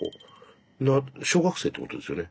小学生ってことですよね？